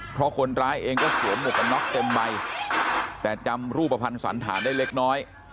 เพราะคนร้ายเองก็สวมหมวกกันน็อกเต็มใบแต่จำรูปภัณฑ์สันฐานได้เล็กน้อย